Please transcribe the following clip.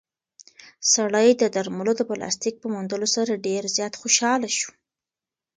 سړی د درملو د پلاستیک په موندلو سره ډېر زیات خوشحاله شو.